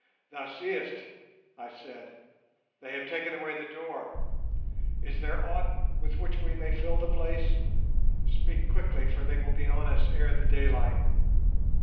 "Thou seest," I said, "they have taken away the door. Is there aught with which we may fill the place? Speak quickly for they will be on us ere the daylight."